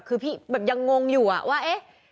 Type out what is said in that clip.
คือพี่แบบยังงงอยู่ว่าเอ๊ะ